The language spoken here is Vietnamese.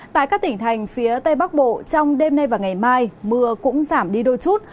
tại các tỉnh thành phía tây bắc bộ trong đêm nay và ngày mai mưa cũng giảm đi đôi chút